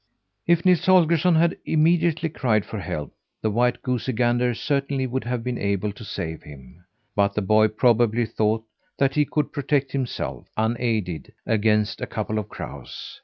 If Nils Holgersson had immediately cried for help, the white goosey gander certainly would have been able to save him; but the boy probably thought that he could protect himself, unaided, against a couple of crows.